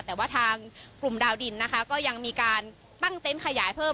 แต่ว่าทางกลุ่มดาวดินนะคะก็ยังมีการตั้งเต็นต์ขยายเพิ่ม